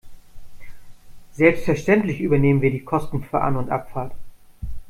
Selbstverständlich übernehmen wir die Kosten für An- und Abfahrt.